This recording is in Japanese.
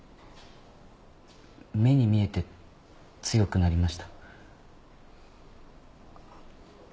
目に見えて強くなりました。